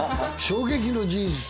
衝撃の事実。